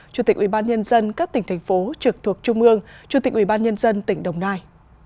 chủ tịch ubnd các tỉnh thành phố trực thuộc trung ương chủ tịch ubnd tỉnh đồng nai